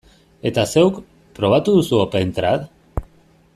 Eta zeuk, probatu duzu OpenTrad?